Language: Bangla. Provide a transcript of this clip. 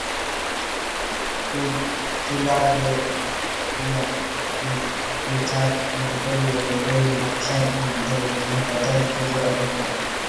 ফিলাডেলফিয়ার রিচার্ড মেডিকেল ল্যাবরেটরি নকশার মাধ্যমে তিনি প্রথম খ্যাতি অর্জন করেন।